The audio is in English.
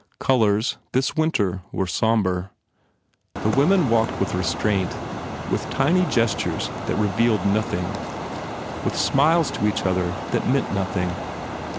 Colours, this winter, were sombre. The women walked with restraint, with tiny gestures that revealed nothing, with smiles to each other that meant nothing.